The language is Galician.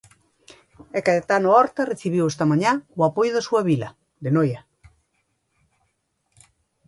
E Caetano Horta recibiu esta mañá o apoio da súa vila, de Noia.